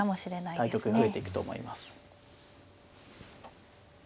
対局増えてくと思います。